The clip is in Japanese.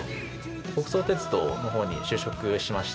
北総鉄道の方に就職しまして。